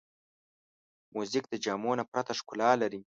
موزیک د جامو نه پرته ښکلا لري.